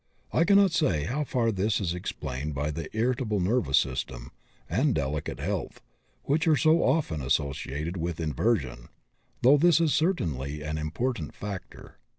I cannot say how far this is explained by the irritable nervous system and delicate health which are so often associated with inversion, though this is certainly an important factor.